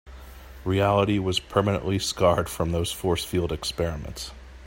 Reality was permanently scarred from those force field experiments.